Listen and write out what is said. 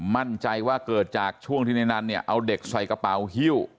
มั่นใจว่าเกิดจากช่วงที่ในนั้นเนี่ยเอาเด็กใส่กระเป๋าฮิ้ว